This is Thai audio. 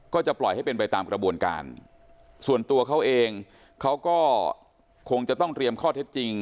ก็จะปล่อยให้เป็นไปตามกระบวนการส่วนตัวเขาเองเขาก็คงจะต้องเตรียมข้อเท็จจริง